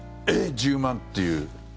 １０万っていう。